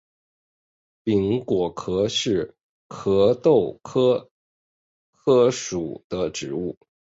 柄果柯是壳斗科柯属的植物。